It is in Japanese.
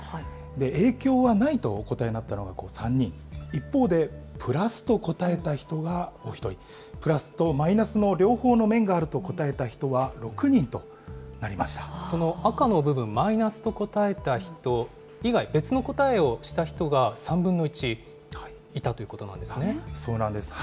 影響はないとお答えになったのが３人、一方で、プラスと答えた人がお１人、プラスとマイナスの両方の面があるとその赤の部分、マイナスと答えた人以外、別の答えをした人が３分の１いたということなんですそうなんです。